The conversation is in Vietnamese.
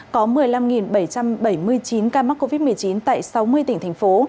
có một mươi năm bảy trăm bảy mươi chín ca mắc covid một mươi chín tại sáu mươi tỉnh thành phố